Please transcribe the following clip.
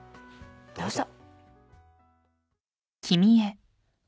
どうぞ。